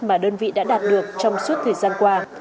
mà đơn vị đã đạt được trong suốt thời gian qua